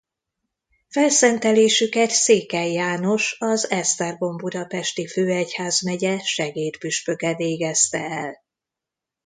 Felszentelésüket Székely János az Esztergom-Budapesti Főegyházmegye segédpüspöke végezte el.